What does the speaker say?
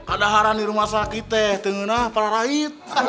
ada hari di rumah sakit tengah perah raih